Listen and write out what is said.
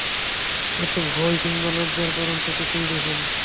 এতে ভয় কিম্বা লজ্জার কারণ তো কিছুই দেখি নে।